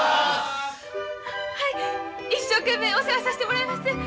はい一生懸命お世話さしてもらいます。